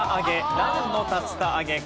なんの竜田揚げか。